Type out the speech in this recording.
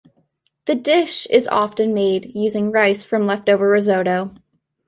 The dish is often made using rice from left-over risotto.